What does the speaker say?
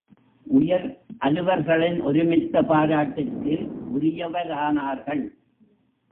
உயர் அலுவலர்களின் ஒருமித்த பாராட்டுக்கு உரியவரானார்கள்.